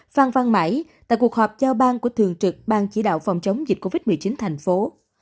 phan văn mãi tại cuộc họp giao ban của thường trực ban chỉ đạo phòng chống dịch covid một mươi chín thành phố